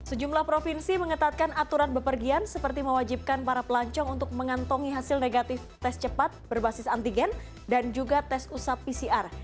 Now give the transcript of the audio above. sejumlah provinsi mengetatkan aturan bepergian seperti mewajibkan para pelancong untuk mengantongi hasil negatif tes cepat berbasis antigen dan juga tes usap pcr